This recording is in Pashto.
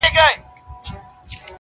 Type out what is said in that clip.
یا مي مړ له دې غوجل څخه بهر کړې -